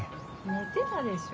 寝てたでしょ？